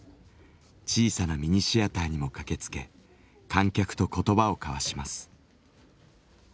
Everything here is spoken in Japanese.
小さなミニシアターにも駆けつけ観客と言葉を交わします。